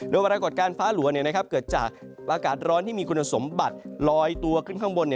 โดยปรากฏการณ์ฟ้าหลัวเกิดจากอากาศร้อนที่มีคุณสมบัติลอยตัวขึ้นข้างบน